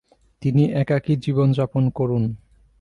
তিনি একাকী জীবনযাপন করুন।